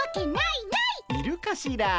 いるかしら？